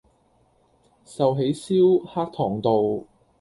壽喜燒-黑糖道